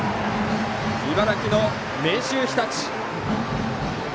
茨城の明秀日立。